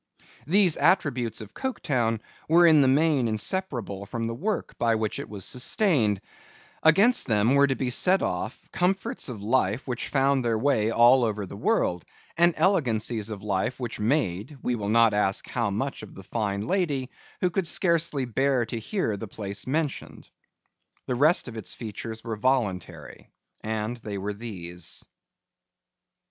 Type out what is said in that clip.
These attributes of Coketown were in the main inseparable from the work by which it was sustained; against them were to be set off, comforts of life which found their way all over the world, and elegancies of life which made, we will not ask how much of the fine lady, who could scarcely bear to hear the place mentioned. The rest of its features were voluntary, and they were these.